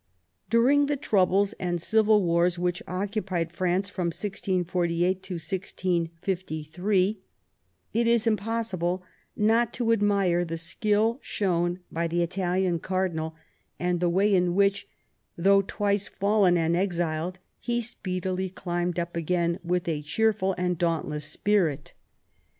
During the troubles and civil wars which occupied France from 1648 to 1653, it is impossible not to admire the skill shown by the Italian cardinal, and the way in which "though twice fallen and exiled, he speedily climbed up again with a cheerful and dauntless spirit."